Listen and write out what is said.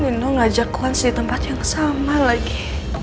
nino ngajak kuans di tempat yang sama lagi